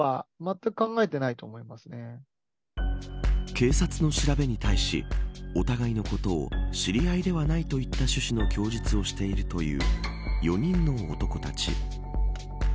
警察の調べに対しお互いのことを知り合いではないといった趣旨の供述をしているという４人の男たち。